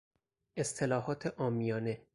اصطلاحات عامیانه